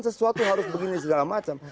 sesuatu harus begini segala macam